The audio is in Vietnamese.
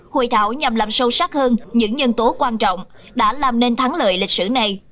hội thảo nhằm làm sâu sắc hơn những nhân tố quan trọng đã làm nên thắng lợi lịch sử này